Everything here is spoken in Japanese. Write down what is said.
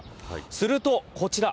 すると、こちら。